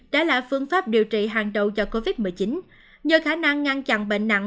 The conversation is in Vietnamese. đã là phương pháp điều trị hàng đầu do covid một mươi chín nhờ khả năng ngăn chặn bệnh nặng